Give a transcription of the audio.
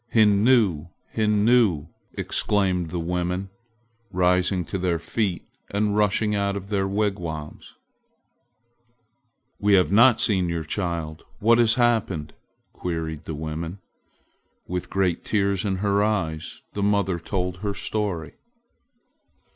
"Hinnu! Hinnu!" exclaimed the women, rising to their feet and rushing out of their wigwams. "We have not seen your child! What has happened?" queried the women. With great tears in her eyes the mother told her story.